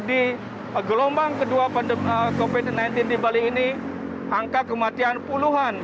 di gelombang kedua covid sembilan belas di bali ini angka kematian puluhan